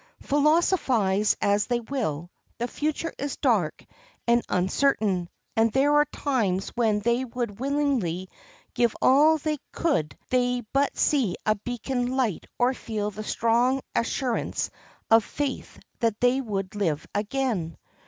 Philosophize as they will, the future is dark and uncertain, and there are times when they would willingly give all could they but see a beacon light or feel the strong assurance of faith that they would live again.